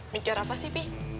mikir apa sih pi